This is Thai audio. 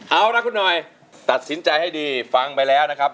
เอาล่ะคุณหน่อยตัดสินใจให้ดีฟังไปแล้วนะครับ